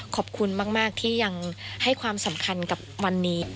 ขอบคุณมากที่ยังให้ความสำคัญกับวันนี้